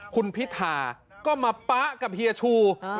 คุณพิธาก็มาป๊ะกับเฮียชู